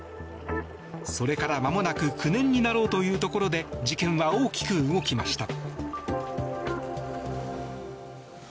それから、まもなく９年になろうというところで事件は大きく動きました。